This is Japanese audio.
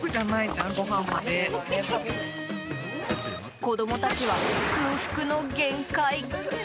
子供たちは空腹の限界！